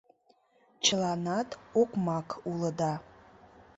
Чыланат окмак улыда!